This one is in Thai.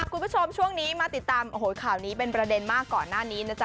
คุณผู้ชมช่วงนี้มาติดตามโอ้โหข่าวนี้เป็นประเด็นมากก่อนหน้านี้นะจ๊